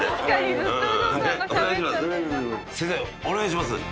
お願いします。